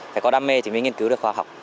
phải có đam mê thì mới nghiên cứu được khoa học